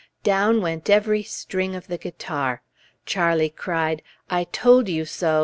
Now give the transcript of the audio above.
Down went every string of the guitar; Charlie cried, "I told you so!"